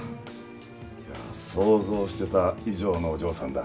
いやぁ想像してた以上のお嬢さんだ。